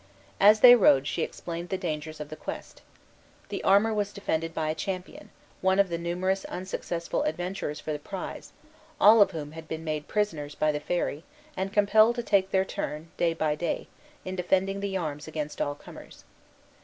As they rode she explained the dangers of the quest. The armor was defended by a champion, one of the numerous unsuccessful adventurers for the prize, all of whom had been made prisoners by the fairy, and compelled to take their turn, day by day, in defending the arms against all comers.